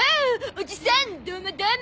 おじさんどうもどうも。